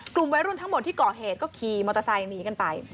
กลุ่มวัยรุ่นทั้งหมดที่ก่อเหตุก็ขี่มอเตอร์ไซค์หนีกันไป